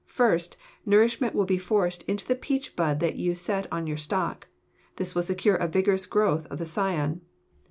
First, nourishment will be forced into the peach bud that you set on your stock. This will secure a vigorous growth of the scion.